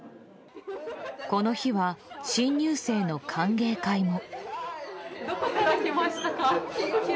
この日は新入生の歓迎会も。